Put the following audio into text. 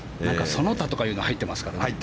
その他とかいうのが入ってますからね。